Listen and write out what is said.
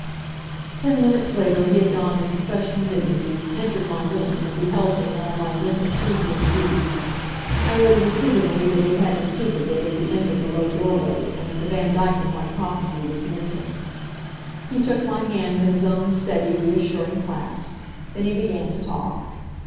Ten minutes later he had donned his professional dignity, entered my room, and beheld me in all my limp and pea green beauty. I noted approvingly that he had to stoop a bit as he entered the low doorway, and that the Vandyke of my prophecy was missing. He took my hand in his own steady, reassuring clasp. Then he began to talk.